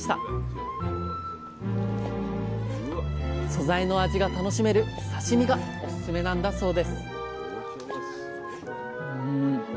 素材の味が楽しめる刺身がおすすめなんだそうです